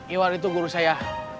iwan itu guru saya